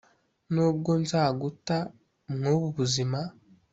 Nubwo nzaguta mwubu buzima